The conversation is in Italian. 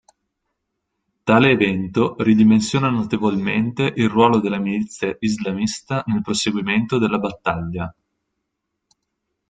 Tale evento ridimensiona notevolmente il ruolo della milizia islamista nel proseguimento della battaglia.